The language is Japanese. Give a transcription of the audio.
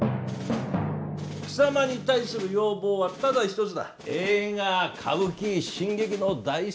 貴様に対する要望はただ一つだ。